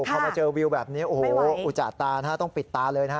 พอมาเจอวิวแบบนี้โอ้โหอุจจาตานะฮะต้องปิดตาเลยนะฮะ